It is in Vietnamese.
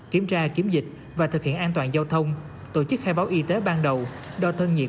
kiểm tra kiểm dịch và thực hiện an toàn giao thông tổ chức khai báo y tế ban đầu đo thân nhiệt